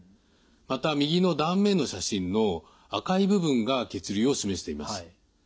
また右の断面の写真の赤い部分が血流を示しています。